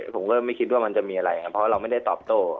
ผมก็ไม่คิดว่ามันจะมีอะไรครับเพราะว่าเราไม่ได้ตอบโต้